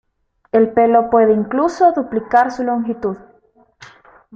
El pelo puede incluso duplicar su longitud.